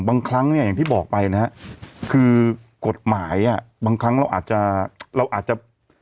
บางครั้งเนี่ยอย่างที่บอกไปนะครับคือกฎหมายบางครั้งเราอาจจะ